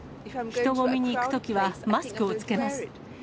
人混みに行くときはマスクを着けます。